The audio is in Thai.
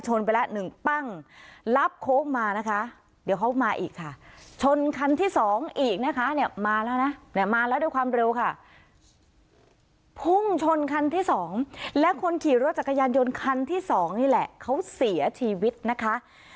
ชนไปและหนึ่งปั้งรับโค้งมานะคะเดี๋ยวเขามาอีกค่ะ